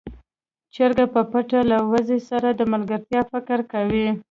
چرګې په پټه له وزې سره د ملګرتيا فکر کاوه.